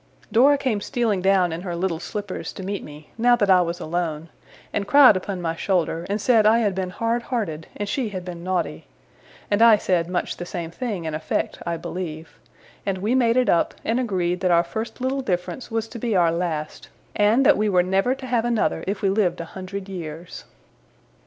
Dora came stealing down in her little slippers, to meet me, now that I was alone; and cried upon my shoulder, and said I had been hard hearted and she had been naughty; and I said much the same thing in effect, I believe; and we made it up, and agreed that our first little difference was to be our last, and that we were never to have another if we lived a hundred years.